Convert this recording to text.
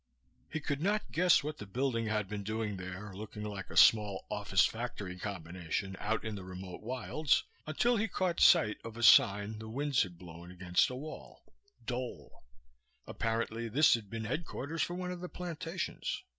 He could not guess what the building had been doing there, looking like a small office factory combination out in the remote wilds, until he caught sight of a sign the winds had blown against a wall: Dole. Apparently this had been headquarters for one of the plantations.